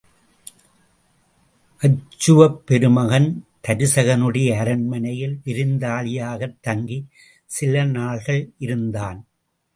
அச்சுவப் பெருமகன், தருசகனுடைய அரண்மனையில் விருந்தாளியாகத் தங்கிச் சில நாள்கள் இருந்தான்.